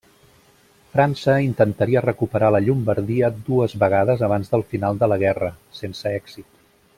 França intentaria recuperar la Llombardia dues vegades abans del final de la guerra, sense èxit.